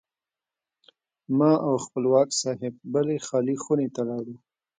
ما او خپلواک صاحب بلې خالي خونې ته لاړو.